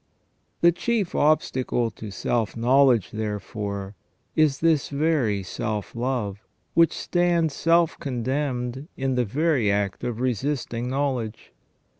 The chief obstacle to self knowledge, therefore, is this very self love, which stands self condemned in the very act of resisting knowledge.